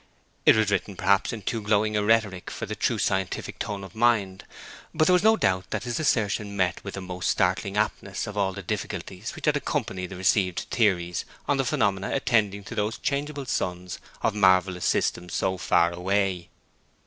It was written perhaps in too glowing a rhetoric for the true scientific tone of mind; but there was no doubt that his assertion met with a most startling aptness all the difficulties which had accompanied the received theories on the phenomena attending those changeable suns of marvellous systems so far away.